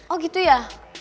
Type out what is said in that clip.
oh gitu ya